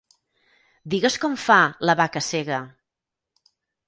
Digues com fa La vaca cega!